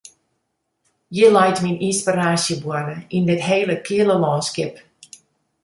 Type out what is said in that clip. Hjir leit myn ynspiraasjeboarne, yn dit hele keale lânskip.